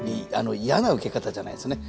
嫌なウケ方じゃないんですね。